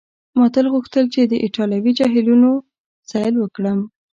ما تل غوښتل چي د ایټالوي جهیلونو سیل وکړم.